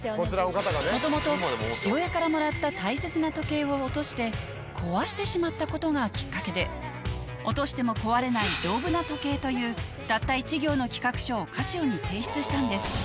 もともと父親からもらった大切な時計を落として壊してしまったことがきっかけで『落としても壊れない丈夫な時計』というたった１行の企画書をＣＡＳＩＯに提出したんです